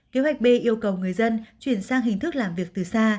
kế hoạch b yêu cầu người dân chuyển sang hình thức làm việc từ xa